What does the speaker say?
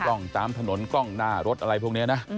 กล้องตามถนนกล้องหน้ารถอะไรพวกนี้นะ